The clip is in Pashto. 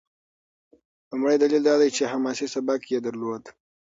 لومړی دلیل دا دی چې حماسي سبک یې درلود.